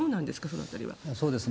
その辺りは。